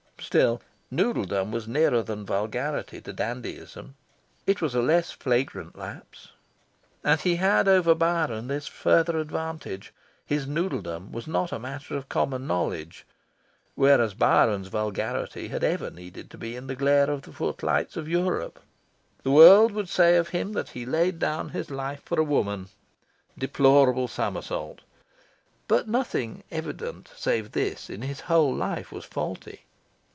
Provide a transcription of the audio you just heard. Still, noodledom was nearer than vulgarity to dandyism. It was a less flagrant lapse. And he had over Byron this further advantage: his noodledom was not a matter of common knowledge; whereas Byron's vulgarity had ever needed to be in the glare of the footlights of Europe. The world would say of him that he laid down his life for a woman. Deplorable somersault? But nothing evident save this in his whole life was faulty...